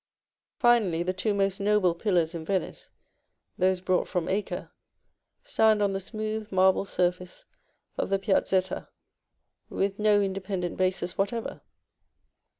Finally, the two most noble pillars in Venice, those brought from Acre, stand on the smooth marble surface of the Piazzetta, with no independent bases whatever.